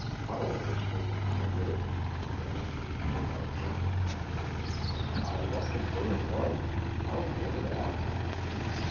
Paulo was taken unawares, and answered, without thinking, "I left it where it was. I will get it after."